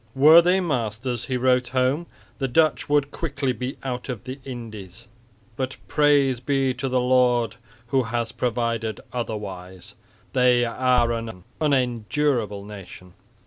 "Were they masters," he wrote home, "the Dutch would quickly be out of the Indies, but praise be to the Lord, who has provided otherwise. They are an unendurable nation."